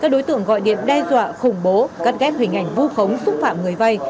các đối tượng gọi điện đe dọa khủng bố cắt ghép hình ảnh vu khống xúc phạm người vay